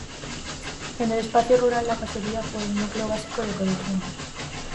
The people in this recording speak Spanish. En el espacio rural la casería fue el núcleo básico de producción.